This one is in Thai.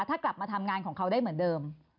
ถ้ากลับมาทำงานของเขาได้เหมือนเดิม